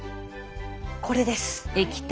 これです。